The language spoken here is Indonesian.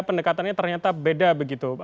pendekatannya ternyata beda begitu